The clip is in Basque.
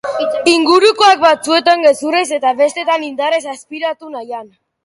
Ingurukoak batzuetan gezurrez eta bestetan indarrez azpiratu nahian.